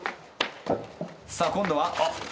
さぁ今度は？